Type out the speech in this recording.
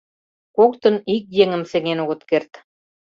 Коктын ик еҥым сеҥен огыт керт.